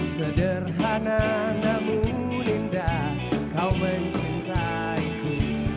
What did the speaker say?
sederhana namun dinda kau mencintaiku